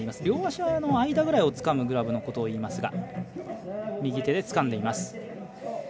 両足の間ぐらいをつかむグラブのことを言いますが右手でつかんでいます。